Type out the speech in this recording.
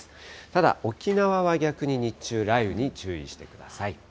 ただ、沖縄は逆に日中、雷雨に注意してください。